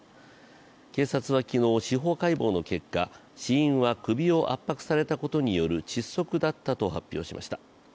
警察は昨日、司法解剖の結果死因は首を圧迫されたことによる窒息だったと発表しました。